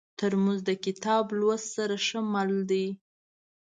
ترموز د کتاب لوست سره ښه مل دی.